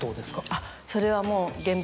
あっそれはもう。